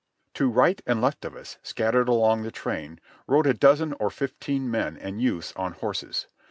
To right and left of us, scattered along the train, rode a dozen or fifteen men and youths on horses.